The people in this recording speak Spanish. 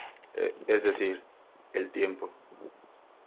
Es decir, el tiempo.